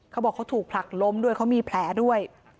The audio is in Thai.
เขาบอกเขาถูกผลักล้มด้วยเขามีแผลด้วย